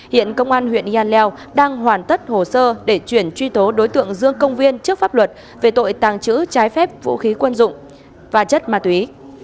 hiện công an huyện yà leo đang hoàn tất hồ sơ để chuyển truy tố đối tượng dương công viên trước pháp luật về tội tàng trữ trái phép vũ khí quân dụng và chất ma túy